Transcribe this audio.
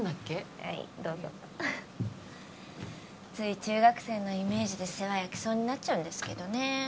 はいどうぞつい中学生のイメージで世話焼きそうになっちゃうんですけどね